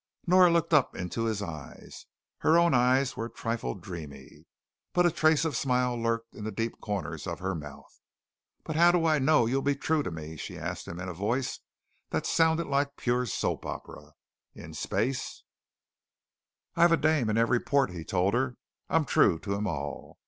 Nora looked up into his eyes. Her own eyes were a trifle dreamy, but a trace of smile lurked in the deep corners of her mouth. "But how do I know you'll be true to me?" she asked him in a voice that sounded like pure soap opera. "In space " "I've a dame in every port," he told her. "I'm true to 'em all."